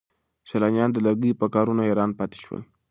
سیلانیان د لرګیو په کارونو حیران پاتې شول.